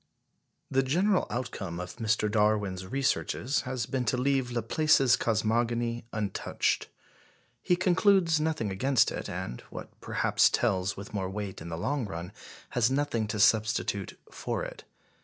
The general outcome of Mr. Darwin's researches has been to leave Laplace's cosmogony untouched. He concludes nothing against it, and, what perhaps tells with more weight in the long run, has nothing to substitute for it.